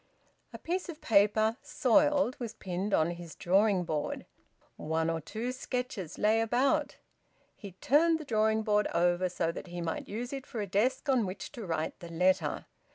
A piece of paper, soiled, was pinned on his drawing board; one or two sketches lay about. He turned the drawing board over, so that he might use it for a desk on which to write the letter.